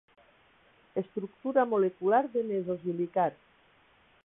Estructura molecular de nesosilicat.